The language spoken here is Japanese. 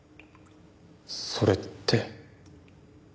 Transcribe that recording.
それって。